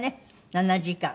７時間。